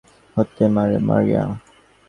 হতে পারে মারিয়া।